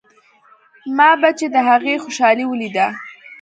ما به چې د هغې خوشالي وليده.